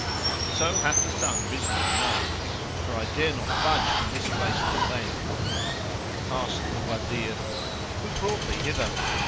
So hath the sun risen or no?; for I dare not budge from this place till then." Asked the Wazir, "Who brought thee hither?"